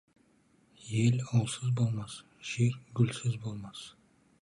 Ел ұлсыз болмас, жер гүлсіз болмас.